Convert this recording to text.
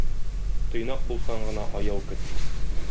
Тыйнак булсаң гына аяу көт!